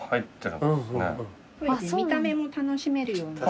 見た目も楽しめるように。